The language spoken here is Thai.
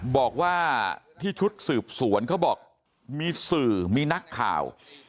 บอกว่าที่ชุดสืบสวนเขาบอกมีสื่อมีนักข่าว